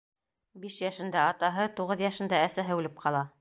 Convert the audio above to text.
Биш йәшендә атаһы, туғыҙ йәшендә әсәһе үлеп ҡала.